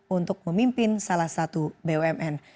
untuk memimpin salah satu bumn